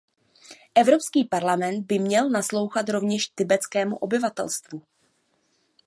Evropský parlament by měl naslouchat rovněž tibetskému obyvatelstvu.